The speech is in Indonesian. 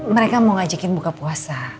mereka mau ngajakin buka puasa